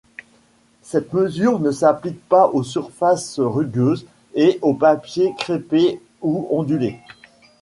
Cette mesure ne s’applique pas aux surfaces rugueuses et aux papiers crêpés ou ondulés.